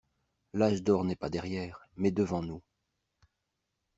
L'âge d'or n'est pas derrière, mais devant nous.